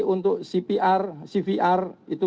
untuk cvr itu